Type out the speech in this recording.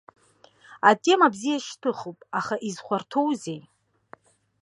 Атема бзиа шьҭыхуп, аха изхәарҭоузеи.